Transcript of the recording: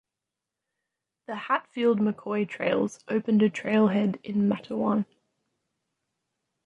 The Hatfield-McCoy Trails opened a trail head in Matewan.